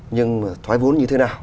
nhưng thuái vốn như thế nào